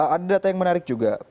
ada data yang menarik juga